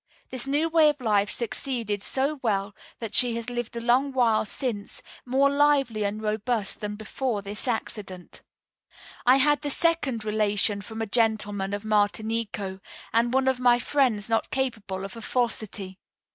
This new way of life succeeded so well that she has lived a long while since, more lively and robust than before this accident. "I had the second relation from a gentleman of Martinico, and one of my friends not capable of a falsity.